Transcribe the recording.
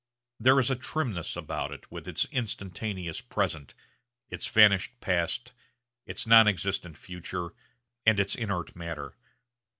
There is a trimness about it, with its instantaneous present, its vanished past, its non existent future, and its inert matter.